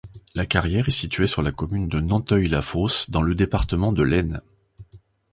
La carrière est située sur la commune de Nanteuil-la-Fosse, dans le département de l'Aisne.